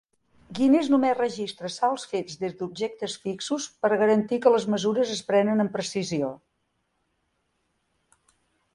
Guinness només registra salts fets des d'objectes fixos per garantir que les mesures es prenen amb precisió.